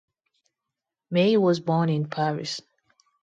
May was born in Paris.